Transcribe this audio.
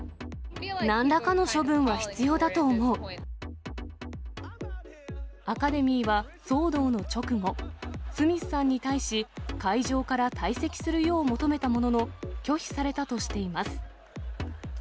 なんらかの処分は必要だと思アカデミーは騒動の直後、スミスさんに対し、会場から退席するよう求めたものの、拒否されたとしています。